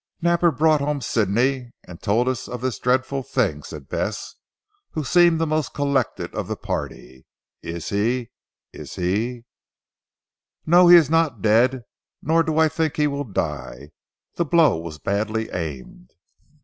"Napper brought home Sidney and told us of this dreadful thing," said Bess who seemed the most collected of the party. "Is he is he " "No, he is not dead nor do I think he will die. The blow was badly aimed."